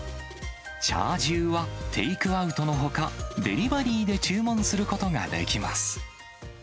ちゃあ重はテイクアウトのほか、デリバリーで注文することができます。